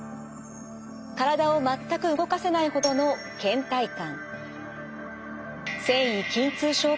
体を全く動かせないほどのけん怠感。